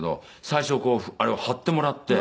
最初あれを貼ってもらって。